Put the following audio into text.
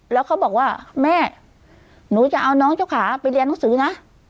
แล้วเขาบอกว่าแม่หนูจะเอาน้องเจ้าขาไปเรียนหนังสือนะ